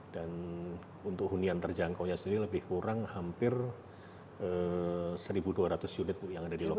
dan untuk hunian terjangkau nya sendiri lebih kurang hampir satu dua ratus unit yang ada di lokasi